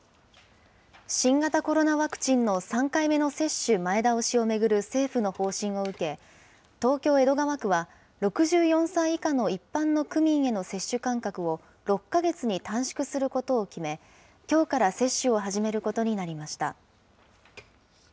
新型コロナワクチンの３回目の接種前倒しを巡る政府の方針を受け、東京・江戸川区は６４歳以下の一般の区民への接種間隔を６か月に短縮することを決め、きょうから接種を始めることになりました。